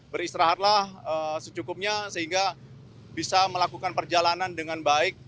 beristirahatlah secukupnya sehingga bisa melakukan perjalanan dengan baik